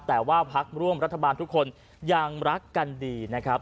แต่ว่าพักร่วมรัฐบาลทุกคนยังรักกันดีนะครับ